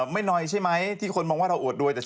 ไม่น้อยใช่ไหมที่คนมองว่าเราอวดรวย